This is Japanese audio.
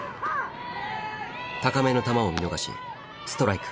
高めの球を見逃しストライク。